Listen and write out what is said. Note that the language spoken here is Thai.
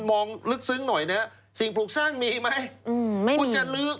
ก็แบ่งพื้นที่ไปเลยที่มีของอยู่แล้ว